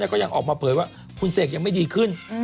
ก็ยังออกมาเผยว่าคุณเสกยังไม่ดีขึ้น